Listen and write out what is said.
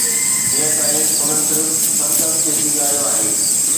هينئر تائين انهن صرف سرڪس کي سينگاريو آهي.